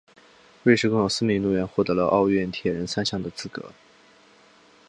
瑞士共有四名运动员获得奥运铁人三项的资格。